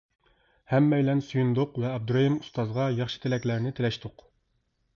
ھەممەيلەن سۆيۈندۇق ۋە ئابدۇرېھىم ئۇستازغا ياخشى تىلەكلەرنى تىلەشتۇق.